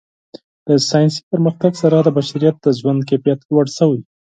د ساینسي پرمختګ سره د بشریت د ژوند کیفیت لوړ شوی.